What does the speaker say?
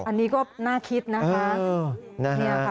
อันนี้ก็น่าคิดนะคะ